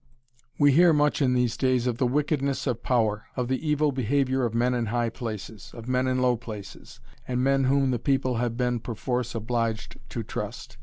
We hear much in these days of the wickedness of power, of the evil behavior of men in high places, of men in low places, and men whom the people have been perforce obliged to trust.